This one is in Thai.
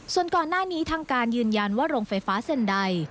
ส่วนก่อนหน้านี้ทางการยืนยันว่าโรงไฟฟ้าเซ็นใด